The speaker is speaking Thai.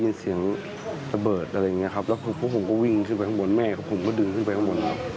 ได้ยินเสียงปืนค่ะได้ยินเสียงไหลครับ